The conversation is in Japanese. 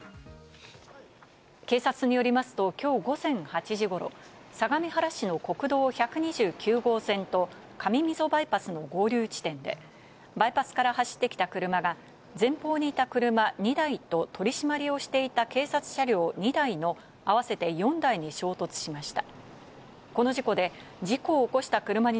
警察によりますと今日午前８時頃、相模原市の国道１２９号線と、上溝バイパスの合流地点でバイパスから走ってきた車が前方にいた車２台と、取り締まりをしていた警察車両２台の合わせて４台に衝突しました。